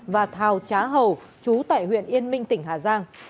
và thào trá hầu chú tại huyện yên minh tỉnh hà giang